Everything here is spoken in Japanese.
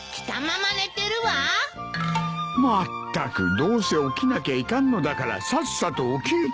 まったくどうせ起きなきゃいかんのだからさっさと起きんか。